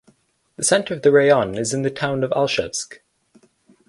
The center of the raion is in the town of Alchevsk.